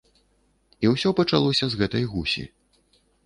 І ўсё пачалося з гэтай гусі.